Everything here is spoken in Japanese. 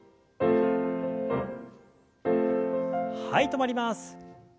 はい止まります。